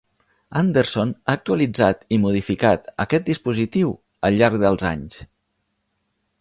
Anderson ha actualitzat i modificat aquest dispositiu al llarg dels anys.